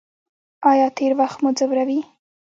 ایا تیر وخت مو ځوروي؟